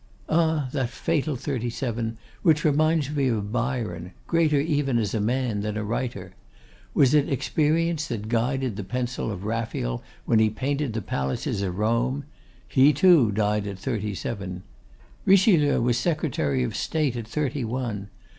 'Ah! that fatal thirty seven, which reminds me of Byron, greater even as a man than a writer. Was it experience that guided the pencil of Raphael when he painted the palaces of Rome? He, too, died at thirty seven. Richelieu was Secretary of State at thirty one.